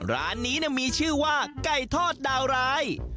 ร้านนี้มีชื่อว่าไก่ทอดดาวร้าย